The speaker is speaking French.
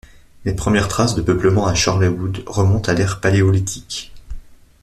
Les premières traces de peuplement à Chorleywood remontent à l'ère paléolithique.